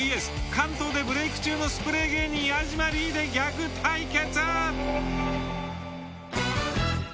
関東でブレーク中のスプレー芸人ヤジマリー。でギャグ対決。